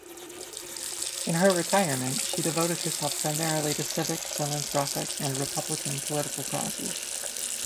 In her retirement, she devoted herself primarily to civic, philanthropic, and Republican political causes.